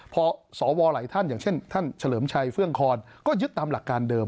พอสวหลายท่านอย่างเช่นท่านเฉลิมชัยเฟื่องคอนก็ยึดตามหลักการเดิม